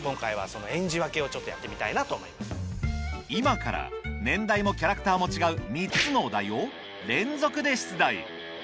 今から年代もキャラクターも違う３つのお題を連続で出題